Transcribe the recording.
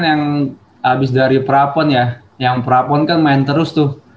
yang abis dari prapon ya yang prapon kan main terus tuh